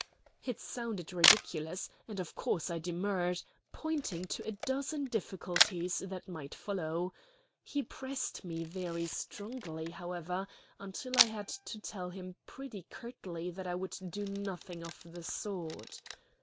It sounded ridiculous, and of course I demurred, pointing to a dozen difficulties that might follow. He pressed me very strongly, however, until I had to tell him pretty curtly that I would do nothing of the sort.